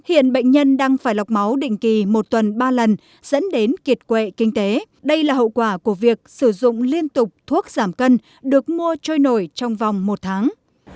hiện bệnh nhân đang phải lọc máu định kỳ một tuần ba lần dẫn đến kiệt quệ kinh tế đây là hậu quả của việc sử dụng liên tục thuốc giảm cân được mua trôi nổi trong vòng một tháng